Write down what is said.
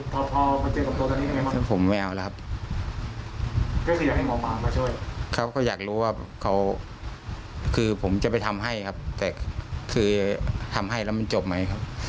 ครับก็อยากรู้ว่าเขาคือผมจะไปทำให้ครับแต่คือทำให้แล้วมันจบไหม